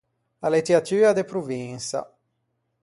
A lettiatua de provinsa.